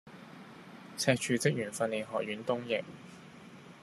赤柱職員訓練學院東翼